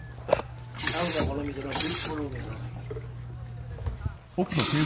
あそこはこの店のビップルームやさかいに。